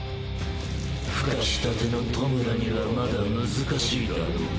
孵化したての弔にはまだ難しいだろうね。